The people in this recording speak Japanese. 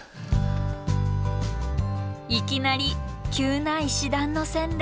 いきなり急な石段の洗礼。